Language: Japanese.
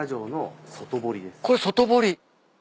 これ外堀。